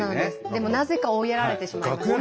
でもなぜか追いやられてしまいました。